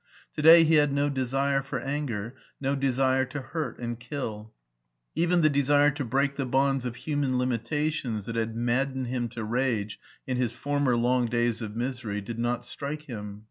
To day he had no desire for anger, no desire to hurt and kill ; even the desire to break the bonds of human limitations that had maddened him to rage in his former long days of misery did not strike him.